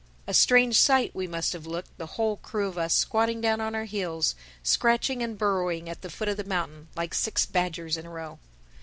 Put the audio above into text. A strange sight we must have looked, the whole crew of us squatting down on our heels, scratching and burrowing at the foot of the mountain, like six badgers in a row.